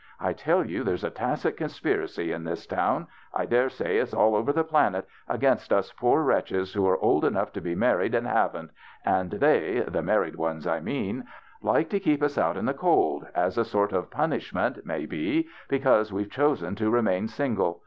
I tell you there's a tacit conspiracy in this town— I dare say it's all over the planet — against us poor wretches who are old enough to be married and haven't, and they — the married ones I mean — like to keep us out in the cold, as a sort of punishment, may be, because we've chosen to remain single.